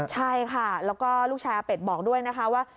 ใช่ค่ะแล้วก็ลูกชายอาเป็ดบอกด้วยนะคะว่า